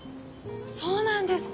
そうなんですか。